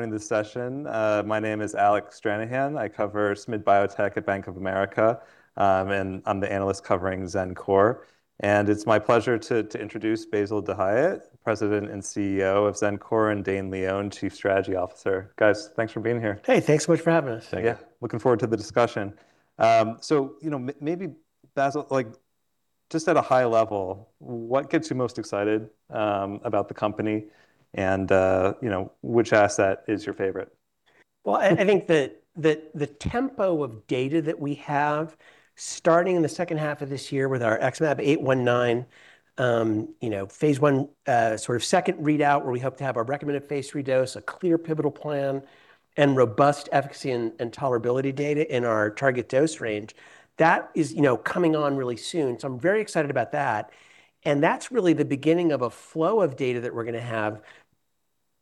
Thank you for joining the session. My name is Alec Stranahan. I cover SMID-cap biotech at Bank of America, and I'm the analyst covering Xencor. It's my pleasure to introduce Bassil Dahiyat, President and Chief Executive Officer of Xencor, and Dane Leone, Chief Strategy Officer. Guys, thanks for being here. Hey, thanks so much for having us. Thank you. Yeah. Looking forward to the discussion. You know, maybe Bassil, like just at a high level, what gets you most excited about the company and, you know, which asset is your favorite? Well, I think the tempo of data that we have starting in the second half of this year with our XmAb819 phase I sort of second readout where we hope to have our recommended phase III dose, a clear pivotal plan, and robust efficacy and tolerability data in our target dose range, that is coming on really soon. I'm very excited about that, and that's really the beginning of a flow of data that we're going to have.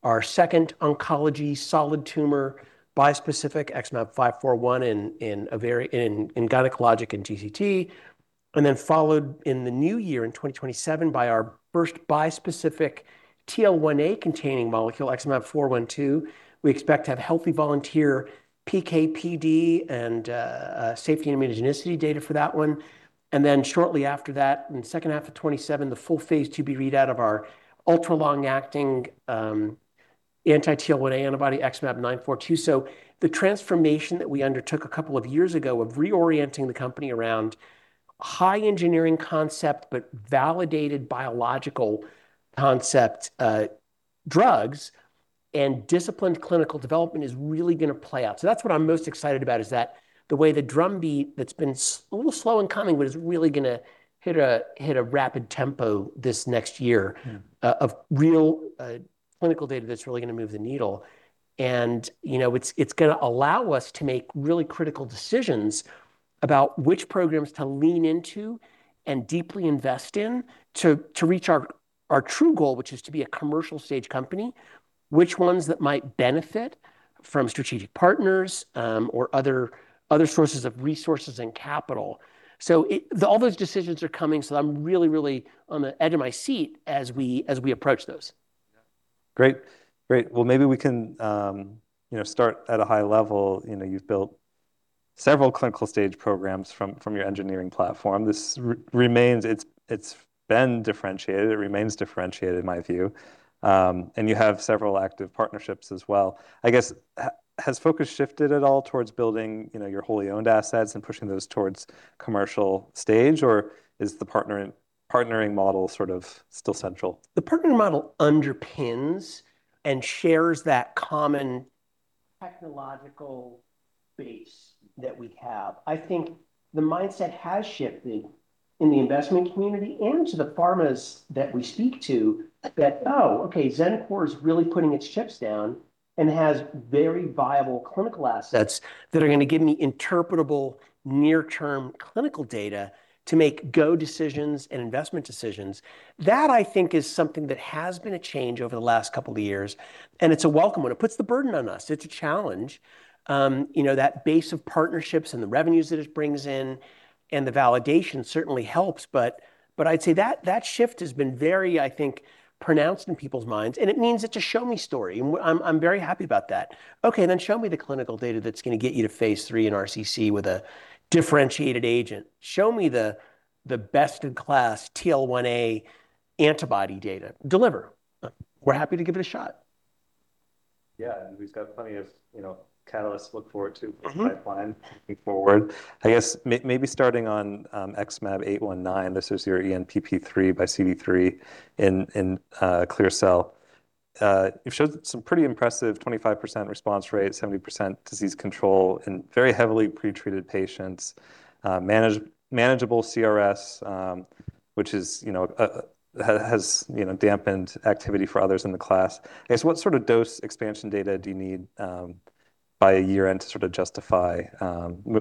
Our second oncology solid tumor bispecific XmAb541 in gynecologic and GCT, and then followed in the new year in 2027 by our first bispecific TL1A containing molecule XmAb412. We expect to have healthy volunteer PK/PD and safety immunogenicity data for that one. Shortly after that, in the second half of 2027, the full phase IIb readout of our ultra long acting anti-TL1A antibody XmAb942. The transformation that we undertook a couple of years ago of reorienting the company around high engineering concept but validated biological concept drugs and disciplined clinical development is really gonna play out. That's what I'm most excited about, is that the way the drumbeat that's been a little slow in coming but is really gonna hit a rapid tempo this next year. Of real clinical data that's really gonna move the needle. You know, it's gonna allow us to make really critical decisions about which programs to lean into and deeply invest in to reach our true goal, which is to be a commercial stage company. Which ones that might benefit from strategic partners or other sources of resources and capital. All those decisions are coming, so I'm really on the edge of my seat as we approach those. Yeah. Great. Great. Well, maybe we can, you know, start at a high level. You know, you've built several clinical stage programs from your engineering platform. This remains it's been differentiated, it remains differentiated in my view. You have several active partnerships as well. I guess has focus shifted at all towards building, you know, your wholly owned assets and pushing those towards commercial stage, or is the partnering model sort of still central? The partnering model underpins and shares that common technological base that we have. I think the mindset has shifted in the investment community and to the pharmas that we speak to that, "Oh, okay, Xencor is really putting its chips down and has very viable clinical assets that are gonna give me interpretable near-term clinical data to make go decisions and investment decisions." That I think is something that has been a change over the last couple of years, and it's a welcome one. It puts the burden on us. It's a challenge. You know, that base of partnerships and the revenues that it brings in and the validation certainly helps, but I'd say that shift has been very, I think, pronounced in people's minds, and it means it's a show me story, and I'm very happy about that. Okay, show me the clinical data that's gonna get you to phase III in RCC with a differentiated agent. Show me the best in class TL1A antibody data. Deliver. We're happy to give it a shot. Yeah, we've got plenty of, you know, catalysts to look forward to. For the pipeline moving forward. I guess maybe starting on XmAb819, this is your ENPP3 by CD3 in clear cell. You've showed some pretty impressive 25% response rate, 70% disease control in very heavily pretreated patients. Manageable CRS, which is, you know, has, you know, dampened activity for others in the class. I guess what sort of dose expansion data do you need by year end to sort of justify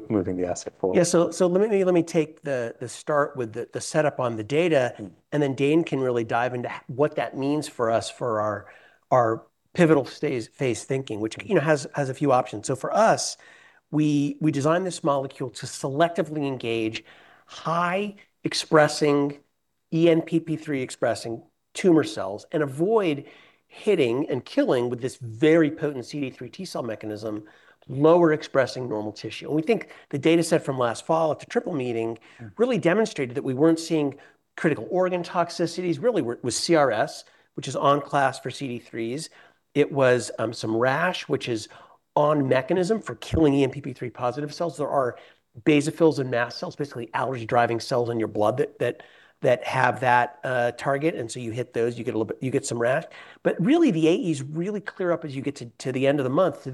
moving the asset forward? Yeah, let me take the start with the setup on the data. Dane can really dive into what that means for us for our pivotal phase thinking, which, you know, has a few options. For us, we design this molecule to selectively engage high expressing ENPP3 expressing tumor cells and avoid hitting and killing with this very potent CD3 T-cell mechanism, lower expressing normal tissue. We think the data set from last fall at the Triple Meeting. really demonstrated that we weren't seeing critical organ toxicities, was CRS, which is on class for CD3s. It was some rash, which is on mechanism for killing ENPP3 positive cells. There are basophils and mast cells, basically allergy driving cells in your blood that have that target. You hit those, you get some rash. Really the AEs really clear up as you get to the end of the month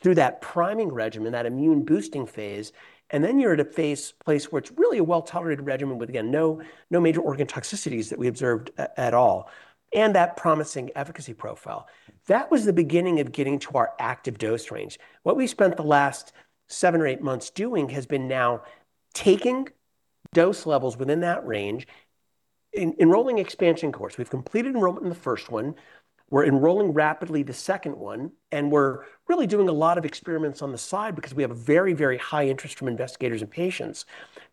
through that priming regimen, that immune boosting phase, and then you're at a place where it's really a well-tolerated regimen with, again, no major organ toxicities that we observed at all, and that promising efficacy profile. That was the beginning of getting to our active dose range. What we spent the last seven or eight months doing has been now taking dose levels within that range, enrolling expansion cohorts. We've completed enrollment in the first one, we're enrolling rapidly the second one. We're really doing a lot of experiments on the side because we have a very, very high interest from investigators and patients,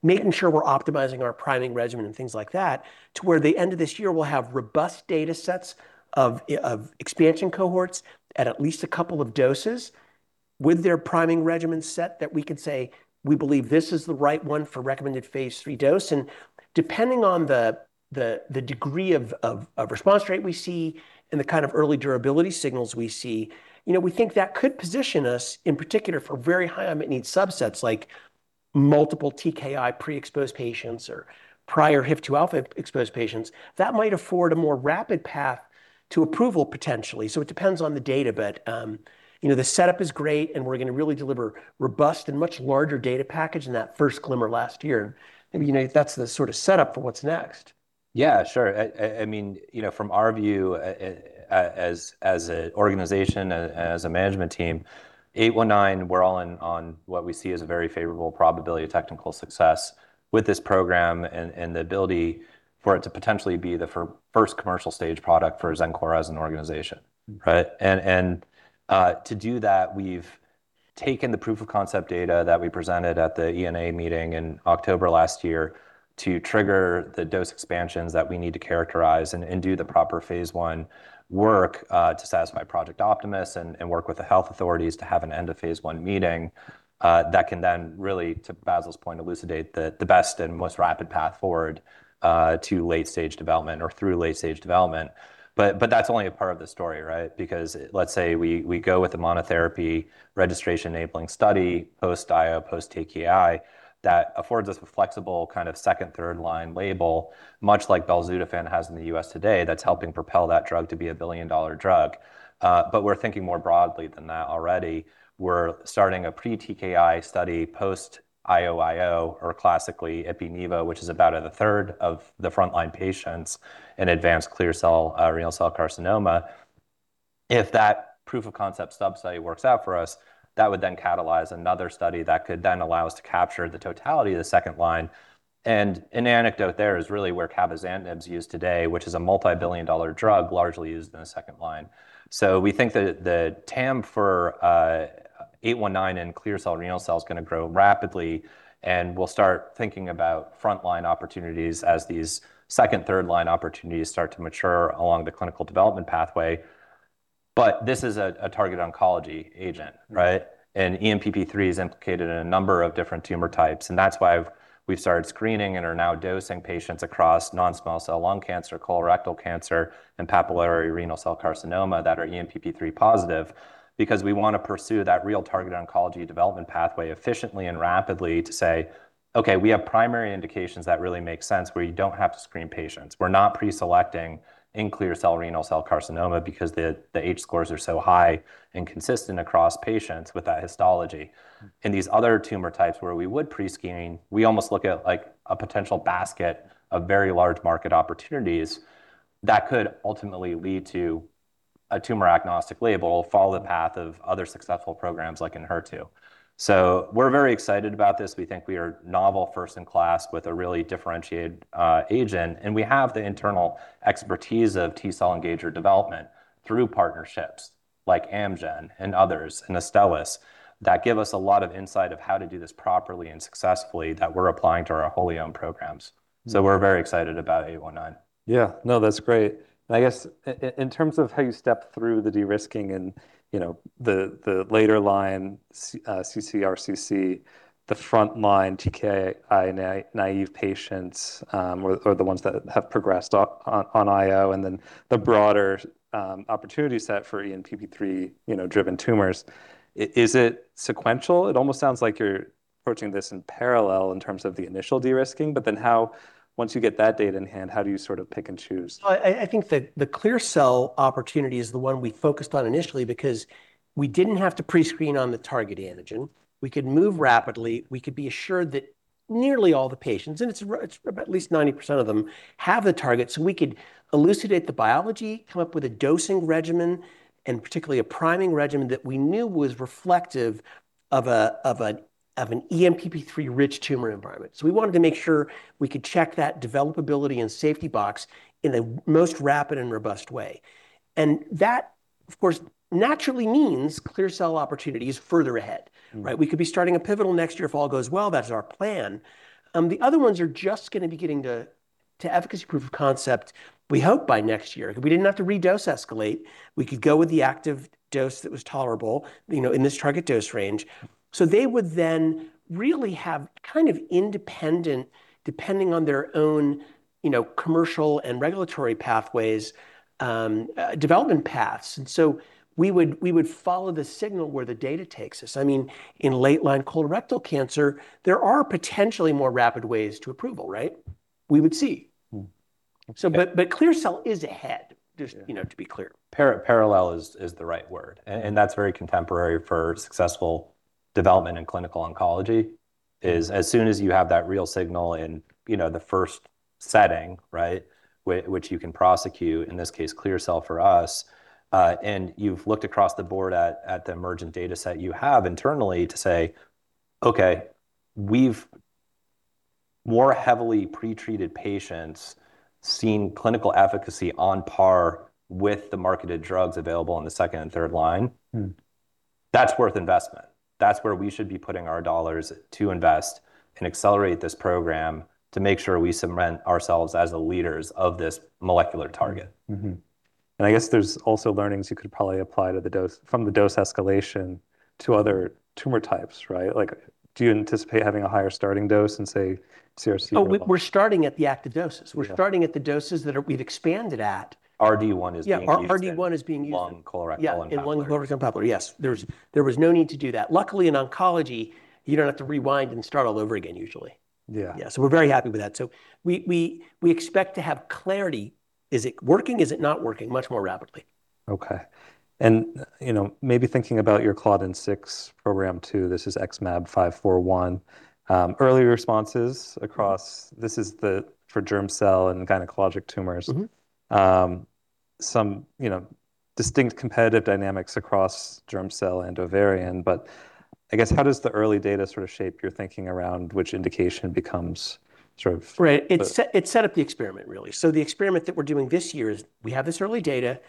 making sure we're optimizing our priming regimen and things like that to where the end of this year we'll have robust data sets of expansion cohorts at least a couple of doses. With their priming regimen set that we could say we believe this is the right one for recommended phase III dose. Depending on the degree of response rate we see and the kind of early durability signals we see, you know, we think that could position us in particular for very high unmet need subsets like multiple TKI pre-exposed patients or prior HIF-2α exposed patients, that might afford a more rapid path to approval potentially. It depends on the data, but, you know, the setup is great and we're gonna really deliver robust and much larger data package than that first glimmer last year. Maybe, you know, that's the sort of setup for what's next. Yeah, sure. I mean, you know, from our view, as an organization, as a management team, XmAb819 we're all in on what we see as a very favorable probability of technical success with this program and the ability for it to potentially be the first commercial stage product for Xencor as an organization, right? To do that, we've taken the proof of concept data that we presented at the ENA meeting in October last year to trigger the dose expansions that we need to characterize and do the proper phase I work to satisfy Project Optimus and work with the health authorities to have an end of phase I meeting that can then really, to Bassil's point, elucidate the best and most rapid path forward to late-stage development or through late-stage development. That's only a part of the story, right? Let's say we go with the monotherapy registration enabling study post IO, post TKI, that affords us a flexible kind of second, third line label, much like belzutifan has in the U.S. today that's helping propel that drug to be a billion-dollar drug. We're thinking more broadly than that already. We're starting a pre-TKI study post IO/IO or classically Ipi/Nivo, which is about a third of the frontline patients in advanced clear cell renal cell carcinoma. If that proof of concept sub study works out for us, that would then catalyze another study that could then allow us to capture the totality of the second line. An anecdote there is really where cabozantinib's used today, which is a multi-billion dollar drug largely used in the second line. We think that the TAM for XmAb819 and clear cell renal cell carcinoma is gonna grow rapidly, and we'll start thinking about frontline opportunities as these second, third line opportunities start to mature along the clinical development pathway. This is a targeted oncology agent, right? ENPP3 is implicated in a number of different tumor types, and that's why we've started screening and are now dosing patients across non-small cell lung cancer, colorectal cancer, and papillary renal cell carcinoma that are ENPP3 positive because we wanna pursue that real targeted oncology development pathway efficiently and rapidly to say, "Okay, we have primary indications that really make sense where you don't have to screen patients." We're not pre-selecting in clear cell renal cell carcinoma because the H-scores are so high and consistent across patients with that histology. In these other tumor types where we would pre-screen, we almost look at, like, a potential basket of very large market opportunities that could ultimately lead to a tumor agnostic label, follow the path of other successful programs like in HER2. We're very excited about this. We think we are novel first in class with a really differentiated agent, and we have the internal expertise of T-cell engager development through partnerships like Amgen and others and Astellas that give us a lot of insight of how to do this properly and successfully that we're applying to our wholly owned programs. We're very excited about 819. Yeah. No, that's great. I guess in terms of how you step through the de-risking and, you know, the later line CCRCC, the frontline TKI naive patients, or the ones that have progressed on IO and then the broader opportunity set for ENPP3, you know, driven tumors, is it sequential? It almost sounds like you're approaching this in parallel in terms of the initial de-risking, but then how, once you get that data in hand, how do you sort of pick and choose? Well, I think the clear cell opportunity is the one we focused on initially because we didn't have to pre-screen on the target antigen. We could move rapidly. We could be assured that nearly all the patients, and it's at least 90% of them, have the target, so we could elucidate the biology, come up with a dosing regimen, and particularly a priming regimen that we knew was reflective of an ENPP3-rich tumor environment. We wanted to make sure we could check that develop-ability and safety box in the most rapid and robust way. That, of course, naturally means clear cell opportunity is further ahead, right? We could be starting a pivotal next year if all goes well. That is our plan. The other ones are just going to be getting to efficacy proof of concept we hope by next year. If we didn't have to redose escalate, we could go with the active dose that was tolerable, you know, in this target dose range. They would then really have kind of independent, depending on their own, you know, commercial and regulatory pathways, development paths. We would follow the signal where the data takes us. I mean, in late line colorectal cancer, there are potentially more rapid ways to approval, right? We would see. Mm-hmm. Okay. But clear cell is ahead, just, you know, to be clear. Parallel is the right word, and that's very contemporary for successful development in clinical oncology, is as soon as you have that real signal in, you know, the first setting, right, which you can prosecute, in this case, clear cell for us, and you've looked across the board at the emergent data set you have internally to say, "Okay, we've more heavily pre-treated patients seen clinical efficacy on par with the marketed drugs available in the second and third line. That's worth investment. That's where we should be putting our dollars to invest and accelerate this program to make sure we cement ourselves as the leaders of this molecular target. Mm-hmm. I guess there's also learnings you could probably apply to the dose, from the dose escalation to other tumor types, right? Like, do you anticipate having a higher starting dose in, say, CRC? Oh, we're starting at the active doses. Yeah. We're starting at the doses we've expanded at. RD1 is being used in. Yeah, RD1 is being used in. lung colorectal and colon/pancreatic. Yeah, in lung colorectal and pancreatic. Yes, there was no need to do that. Luckily, in oncology, you don't have to rewind and start all over again usually. Yeah. Yeah, we're very happy with that. We expect to have clarity, is it working, is it not working, much more rapidly. Okay. you know, maybe thinking about your Claudin-6 program 2, this is XmAb541, early responses across for germ cell and gynecologic tumors. Some, you know, distinct competitive dynamics across germ cell and ovarian, but I guess how does the early data sort of shape your thinking around which indication becomes sort of? Right. It set up the experiment really. The experiment that we're doing this year is we have this early data.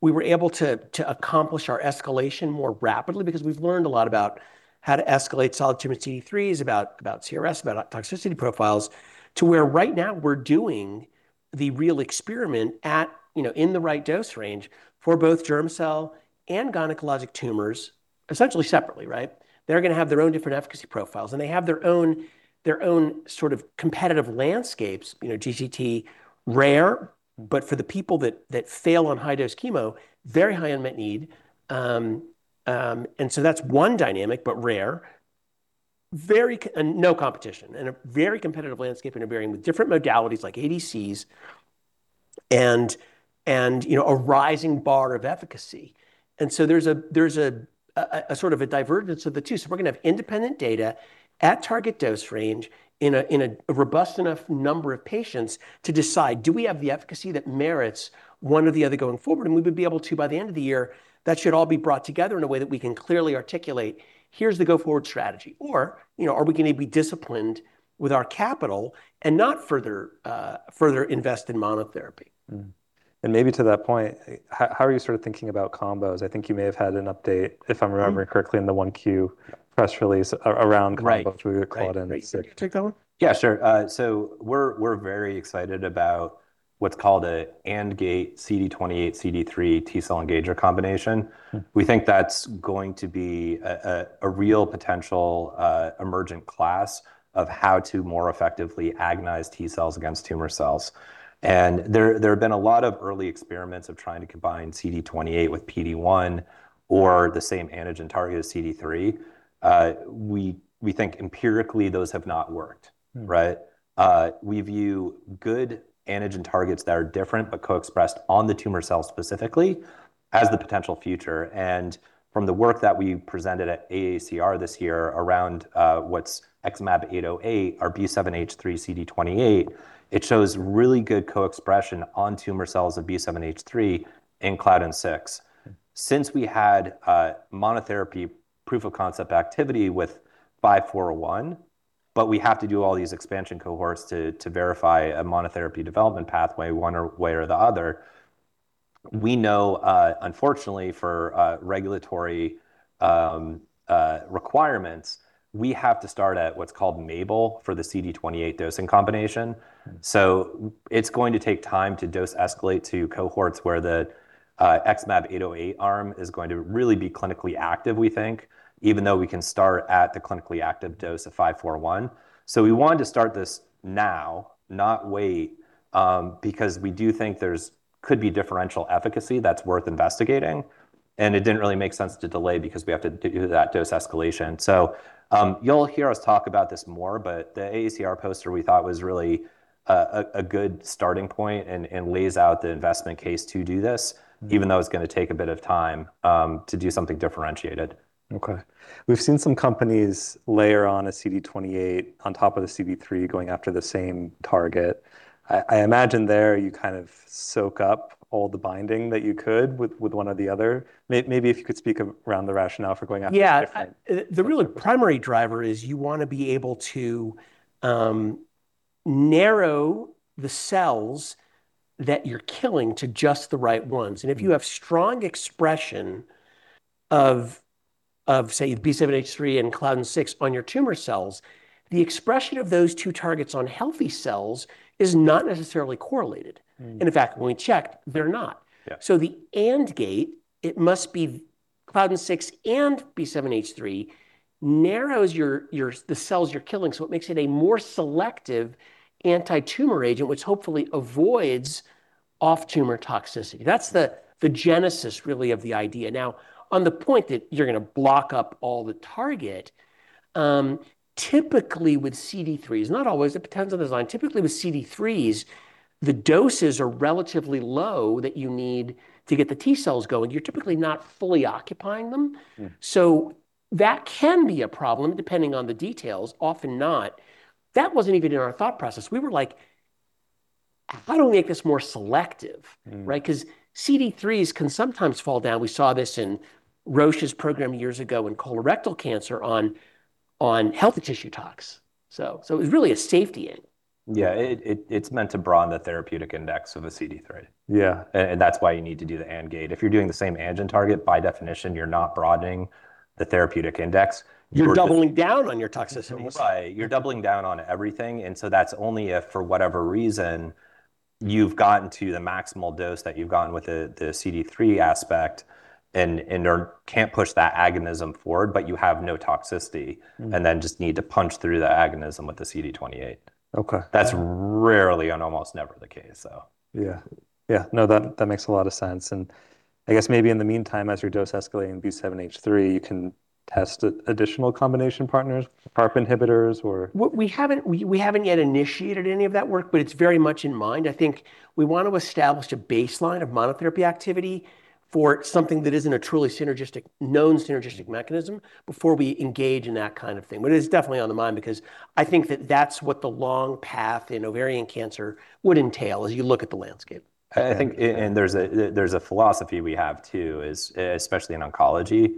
We were able to accomplish our escalation more rapidly because we've learned a lot about how to escalate solid tumor CD3s, about CRS, about toxicity profiles, to where right now we're doing the real experiment at, you know, in the right dose range for both germ cell and gynecologic tumors, essentially separately, right? They're gonna have their own different efficacy profiles, and they have their own sort of competitive landscapes. You know, GCT, rare, but for the people that fail on high-dose chemo, very high unmet need. That's one dynamic, but rare. No competition, in a very competitive landscape in ovarian with different modalities like ADCs and, you know, a rising bar of efficacy. There's a sort of a divergence of the two. We're gonna have independent data at target dose range in a robust enough number of patients to decide, do we have the efficacy that merits one or the other going forward? We would be able to, by the end of the year, that should all be brought together in a way that we can clearly articulate, "Here's the go-forward strategy," or, you know, are we gonna be disciplined with our capital and not further invest in monotherapy? Maybe to that point, how are you sort of thinking about combos? I think you may have had an update. If I'm remembering correctly, in the 1Q. Yeah Press release around. Right with your Claudin-6. Right, right. You take that one? Yeah, sure. We're very excited about what's called an AND gate CD28, CD3 T-cell engager combination. We think that's going to be a real potential emergent class of how to more effectively agonize T-cells against tumor cells. There have been a lot of early experiments of trying to combine CD28 with PD-1 or the same antigen target as CD3. We think empirically those have not worked. Right? We view good antigen targets that are different but co-expressed on the tumor cells specifically as the potential future. From the work that we presented at AACR this year around XmAb808, our B7H3 CD28, it shows really good co-expression on tumor cells of B7H3 in Claudin-6. Since we had a monotherapy proof of concept activity with XmAb541, but we have to do all these expansion cohorts to verify a monotherapy development pathway one way or the other, we know, unfortunately for regulatory requirements, we have to start at what's called MABEL for the CD28 dosing combination. It's going to take time to dose escalate to cohorts where the XmAb808 arm is going to really be clinically active, we think, even though we can start at the clinically active dose of 541. We wanted to start this now, not wait, because we do think there's could be differential efficacy that's worth investigating, and it didn't really make sense to delay because we have to do that dose escalation. You'll hear us talk about this more, but the AACR poster we thought was really a good starting point and lays out the investment case to do this. even though it's gonna take a bit of time, to do something differentiated. Okay. We've seen some companies layer on a CD28 on top of the CD3 going after the same target. I imagine there you kind of soak up all the binding that you could with one or the other. Maybe if you could speak around the rationale for going after different? Yeah. The, the really primary driver is you wanna be able to narrow the cells that you're killing to just the right ones. If you have strong expression of, say, the B7H3 and Claudin-6 on your tumor cells, the expression of those two targets on healthy cells is not necessarily correlated. In fact, when we checked, they're not. Yeah. The AND gate, it must be Claudin-6 and B7H3, narrows the cells you're killing, so it makes it a more selective anti-tumor agent, which hopefully avoids off-tumor toxicity. That's the genesis really of the idea. Now, on the point that you're gonna block up all the target, typically with CD3s, not always, it depends on the design, typically with CD3s, the doses are relatively low that you need to get the T-cells going. You're typically not fully occupying them. That can be a problem, depending on the details, often not. That wasn't even in our thought process. We were like, "Why don't we make this more selective? Right? Because CD3s can sometimes fall down. We saw this in Roche's program years ago in colorectal cancer on healthy tissue tox. It was really a safety end. Yeah, it's meant to broaden the therapeutic index of a CD3. Yeah. That's why you need to do the AND gate. If you're doing the same antigen target, by definition you're not broadening the therapeutic index. You're doubling down on your toxicity. Right. You're doubling down on everything, and so that's only if, for whatever reason, you've gotten to the maximal dose that you've gotten with the CD3 aspect and can't push that agonism forward, but you have no toxicity. Just need to punch through the agonism with the CD28. Okay. That's rarely and almost never the case. Yeah. Yeah. No, that makes a lot of sense. I guess maybe in the meantime, as you're dose escalating B7H3, you can test additional combination partners, PARP inhibitors. We haven't yet initiated any of that work, but it's very much in mind. I think we want to establish a baseline of monotherapy activity for something that isn't a truly synergistic, known synergistic mechanism before we engage in that kind of thing. It is definitely on the mind because I think that that's what the long path in ovarian cancer would entail as you look at the landscape. I think and there's a philosophy we have too is, especially in oncology,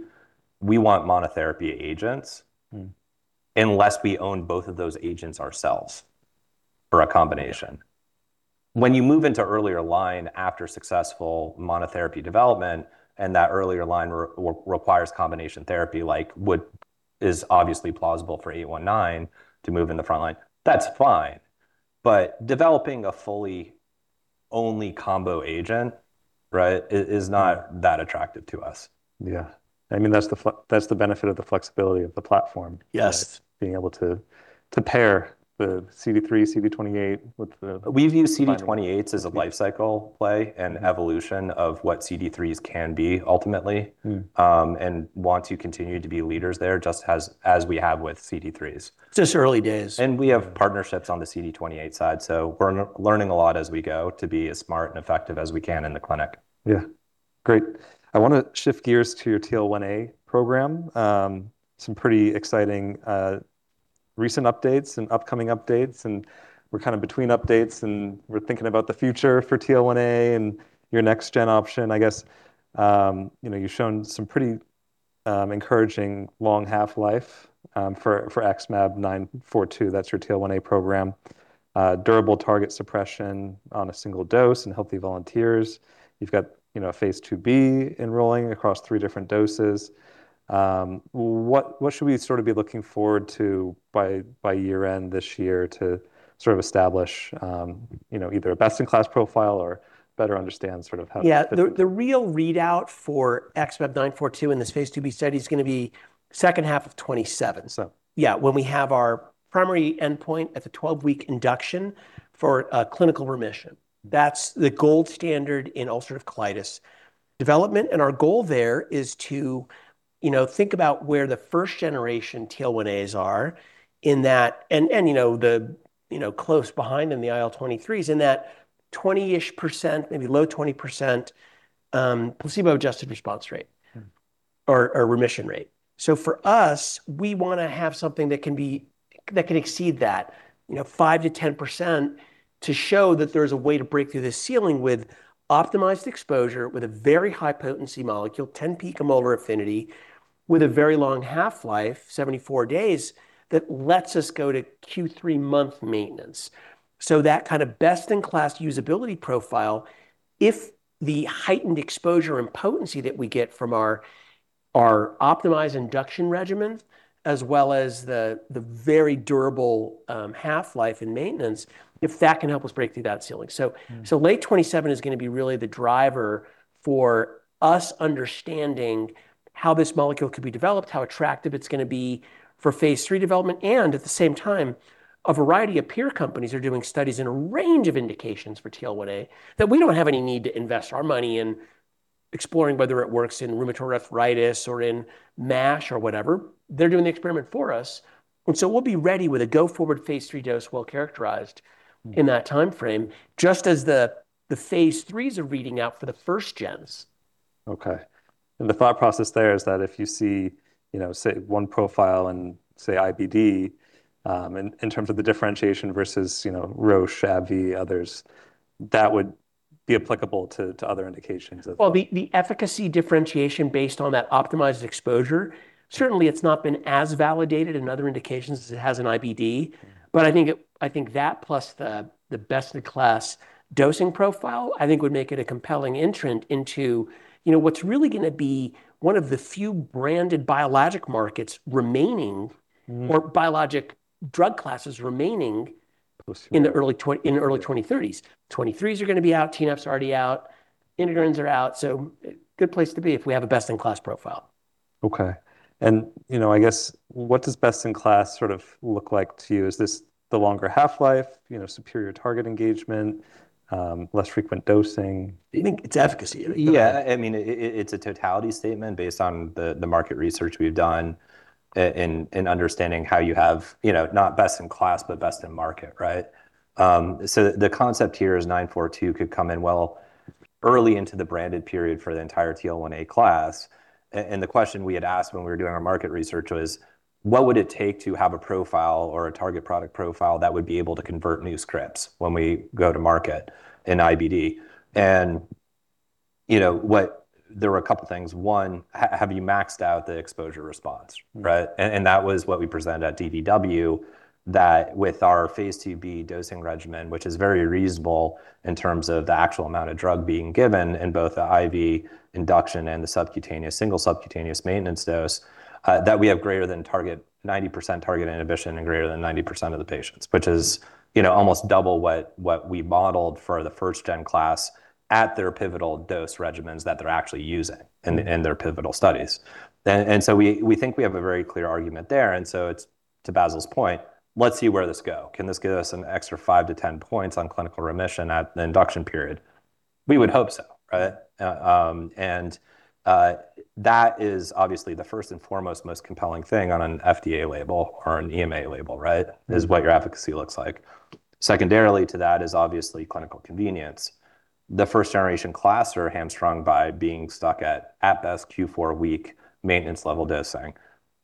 we want monotherapy agents. Unless we own both of those agents ourselves for a combination. When you move into earlier line after successful monotherapy development and that earlier line requires combination therapy like is obviously plausible for XmAb819 to move in the front line, that's fine. But developing a fully only combo agent, right, is not that attractive to us. Yeah. I mean, that's the benefit of the flexibility of the platform. Yes. Being able to pair the CD3, CD28. We view CD28s as a life cycle play and evolution of what CD3s can be ultimately. Want to continue to be leaders there just as we have with CD3s. It's just early days. We have partnerships on the CD28 side, so we're learning a lot as we go to be as smart and effective as we can in the clinic. Yeah. Great. I want to shift gears to your TL1A program. Some pretty exciting recent updates and upcoming updates, and we're kind of between updates, and we're thinking about the future for TL1A and your next gen option, I guess. You know, you've shown some pretty encouraging long half-life for XmAb942, that's your TL1A program. Durable target suppression on a single dose in healthy volunteers. You've got, you know, a phase II-B enrolling across three different doses. What should we sort of be looking forward to by year-end this year to sort of establish, you know, either a best-in-class profile or better understand sort of how. The real readout for XmAb942 in this phase II-B study is gonna be second half of 2027. When we have our primary endpoint at the 12-week induction for a clinical remission. That's the gold standard in ulcerative colitis development, and our goal there is to, you know, think about where the first generation TL1As are in that, and you know, the, you know, close behind in the IL-23s in that 20-ish%, maybe low 20%, placebo-adjusted response rate. or remission rate. For us, we wanna have something that can exceed that, you know, 5%-10% to show that there's a way to break through this ceiling with optimized exposure, with a very high potency molecule, 10 picomolar affinity, with a very long half-life, 74 days, that lets us go to Q 3-month maintenance. That kind of best-in-class usability profile, if the heightened exposure and potency that we get from our optimized induction regimen, as well as the very durable half-life in maintenance, if that can help us break through that ceiling. Late 2027 is gonna be really the driver for us understanding how this molecule could be developed, how attractive it's gonna be for phase III development, and at the same time, a variety of peer companies are doing studies in a range of indications for TL1A that we don't have any need to invest our money in exploring whether it works in rheumatoid arthritis or in MASH or whatever. They're doing the experiment for us, we'll be ready with a go-forward phase III dose well characterized in that timeframe, just as the phase IIIs are reading out for the first-gens. Okay. The thought process there is that if you see, you know, say, one profile in, say, IBD, in terms of the differentiation versus, you know, Roche, AbbVie, others, that would be applicable to other indications as well. Well, the efficacy differentiation based on that optimized exposure, certainly it's not been as validated in other indications as it has in IBD. I think that plus the best-in-class dosing profile I think would make it a compelling entrant into, you know, what's really gonna be one of the few branded biologic markets remaining. Or biologic drug classes remaining- Postulative in early 2030s. 23s are gonna be out, TNF are already out, integrins are out. Good place to be if we have a best-in-class profile. Okay. You know, I guess what does best in class sort of look like to you? Is this the longer half-life, you know, superior target engagement, less frequent dosing? I think it's efficacy. Yeah. I mean, it's a totality statement based on the market research we've done and understanding how you have, you know, not best in class, but best in market, right? The concept here is XmAb942 could come in well early into the branded period for the entire TL1A class. The question we had asked when we were doing our market research was, "What would it take to have a profile or a target product profile that would be able to convert new scripts when we go to market in IBD?" You know, what, there were a couple things. One, have you maxed out the exposure response, right? That was what we presented at DDW, that with our phase II-B dosing regimen, which is very reasonable in terms of the actual amount of drug being given in both the IV induction and the subcutaneous, single subcutaneous maintenance dose, that we have greater than target, 90% target inhibition in greater than 90% of the patients, which is, you know, almost double what we modeled for the first gen class at their pivotal dose regimens that they're actually using in their pivotal studies. So, we think we have a very clear argument there. So, it's to Bassil's point, let's see where this go. Can this give us an extra five to 10 points on clinical remission at the induction period? We would hope so, right? That is obviously the first and foremost most compelling thing on an FDA label or an EMA label, right? Is what your efficacy looks like. Secondarily to that is obviously clinical convenience. The first-generation class are hamstrung by being stuck at best Q4-week maintenance level dosing.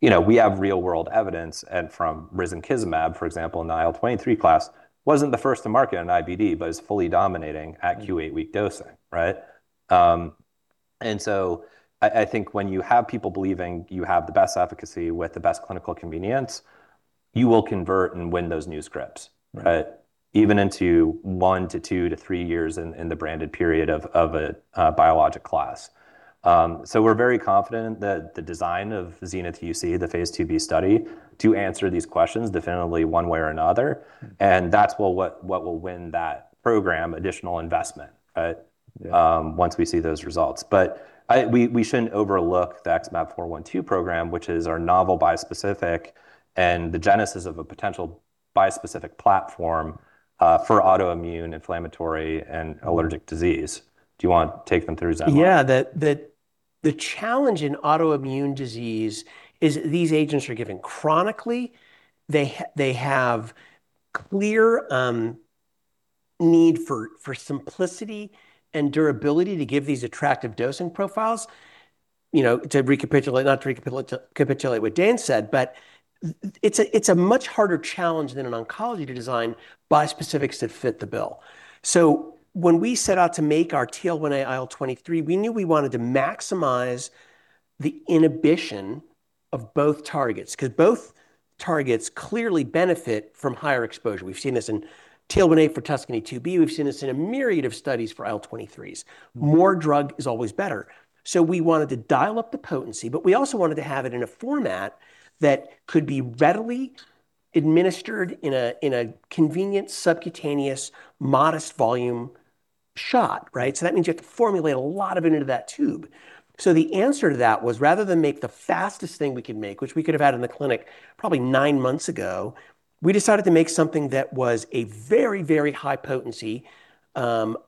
You know, we have real world evidence from risankizumab, for example, IL-23 class, wasn't the first to market on IBD, but is fully dominating at Q8-week dosing, right? I think when you have people believing you have the best efficacy with the best clinical convenience, you will convert and win those new scripts. Right. Right? Even into one to two to three years in the branded period of a biologic class. We're very confident that the design of XENITH-UC, the phase II-B study, to answer these questions definitively one way or another. That's what will win that program additional investment, right? Yeah. Once we see those results. We shouldn't overlook the XmAb412 program, which is our novel bispecific and the genesis of a potential bispecific platform for autoimmune inflammatory and allergic disease. Do you want take them through XenLock? The challenge in autoimmune disease is these agents are given chronically. They have clear need for simplicity and durability to give these attractive dosing profiles, you know, to recapitulate, not to recapitulate what Dane said, but it's a much harder challenge than an oncology to design bispecifics that fit the bill. When we set out to make our TL1A IL-23, we knew we wanted to maximize the inhibition of both targets, because both targets clearly benefit from higher exposure. We've seen this in TL1A for TUSCANY-2b, we've seen this in a myriad of studies for IL-23s. More drug is always better. We wanted to dial up the potency, but we also wanted to have it in a format that could be readily administered in a convenient subcutaneous modest volume shot, right. That means you have to formulate a lot of it into that tube. The answer to that was rather than make the fastest thing we could make, which we could have had in the clinic probably 9 months ago, we decided to make something that was a very, very high potency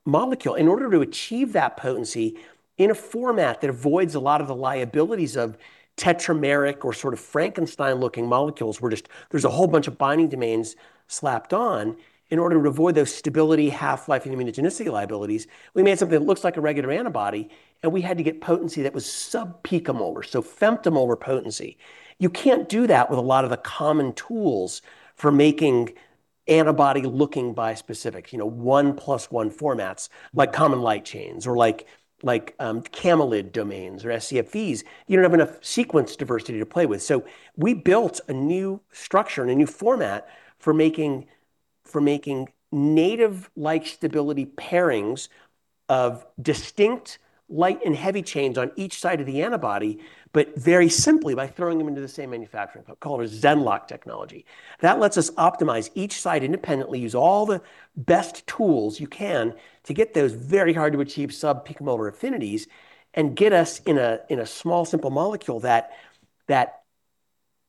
molecule, in order to achieve that potency in a format that avoids a lot of the liabilities of tetrameric or sort of Frankenstein looking molecules, where just there's a whole bunch of binding domains slapped on, in order to avoid those stability half-life immunogenicity liabilities. We made something that looks like a regular antibody, and we had to get potency that was sub-picomolar, so femtomolar potency. You can't do that with a lot of the common tools for making antibody-looking bispecific, you know, one plus one formats, like common light chains or camelid domains or scFVs. You don't have enough sequence diversity to play with. We built a new structure and a new format for making native-like stability pairings of distinct light and heavy chains on each side of the antibody, but very simply by throwing them into the same manufacturing. We call it a XenLock technology. That lets us optimize each site independently, use all the best tools you can to get those very hard to achieve sub-picomolar affinities, and get us in a small simple molecule that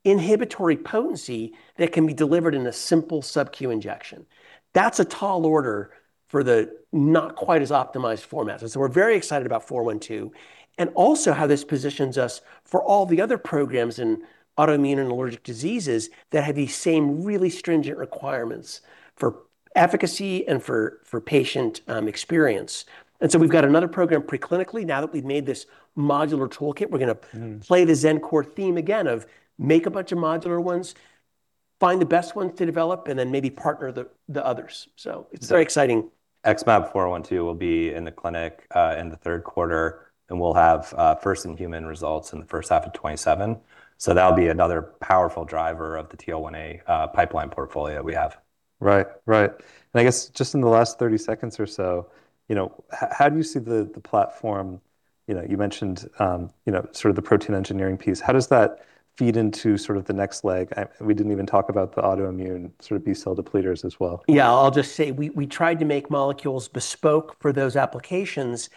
inhibitory potency that can be delivered in a simple sub-Q injection. That's a tall order for the not quite as optimized formats. We're very excited about 412, and also how this positions us for all the other programs in autoimmune and allergic diseases that have these same really stringent requirements for efficacy and for patient experience. We've got another program preclinically. Now that we've made this modular toolkit. play the Xencor theme again of make a bunch of modular ones, find the best ones to develop, and then maybe partner the others. It's very exciting. XmAb412 will be in the clinic in the third quarter, and we'll have first in human results in the first half of 2027. That'll be another powerful driver of the TL1A pipeline portfolio we have. Right. Right. I guess just in the last 30 seconds or so, you know, how do you see the platform, you know, you mentioned, you know, sort of the protein engineering piece. How does that feed into sort of the next leg? We didn't even talk about the autoimmune sort of B-cell depleters as well. Yeah. I'll just say we tried to make molecules bespoke for those applications.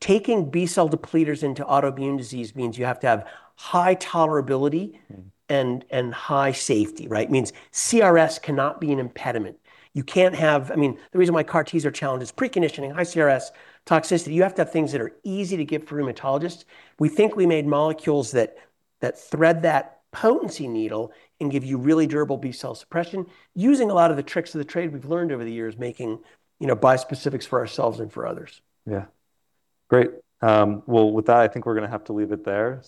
Taking B-cell depleters into autoimmune disease means you have to have high tolerability-High safety, right? Means CRS cannot be an impediment. I mean, the reason why CAR-T are challenged is preconditioning, high CRS toxicity. You have to have things that are easy to give for rheumatologists. We think we made molecules that thread that potency needle and give you really durable B-cell suppression using a lot of the tricks of the trade we've learned over the years making, you know, bispecifics for ourselves and for others. Yeah. Great. Well, with that, I think we're gonna have to leave it there.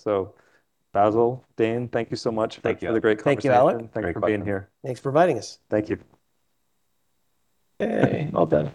Bassil, Dane, thank you so much. Thank you. for the great conversation. Thank you, Alec. Thanks for being here. Thanks for inviting us. Thank you. Yay. Well done.